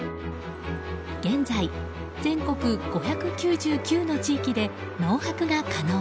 現在、全国５９９の地域で農泊が可能。